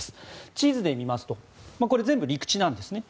地図で見ますと全部、陸地なんですね。